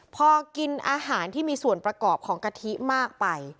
พอกินอาหารที่มีส่วนประกอบของกะทิมากไป